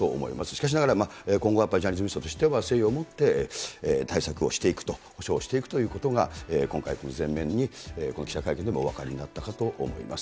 しかしながら、今後はやっぱりジャニーズ事務所としては、誠意を持って対策をしていくと、補償していくということが今回、この前面にこの記者会見でもお分かりになったと思います。